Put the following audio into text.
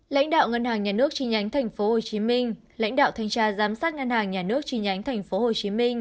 lãnh đạo ngân hàng nhà nước chi nhánh tp hcm lãnh đạo thanh tra giám sát ngân hàng nhà nước chi nhánh tp hcm